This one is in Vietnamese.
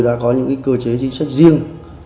đã có những cơ chế chính sách riêng